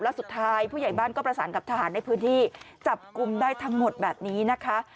แล้วสุดท้ายผู้ใหญ่บ้านก็ประสานกับทหารในพื้นที่จับกลุ่มได้ทั้งหมดแบบนี้นะคะ